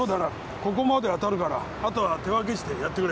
ここまで当たるからあとは手分けしてやってくれ。